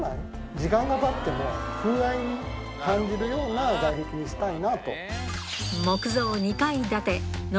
時間がたっても風合いに感じるような外壁にしたいなと。